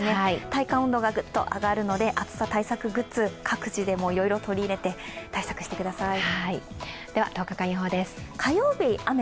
体感温度がグッと上がるので暑さ対策グッズ、各自でいろいろ取り入れて対策してください。